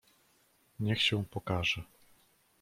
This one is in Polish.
"niech się pokaże!"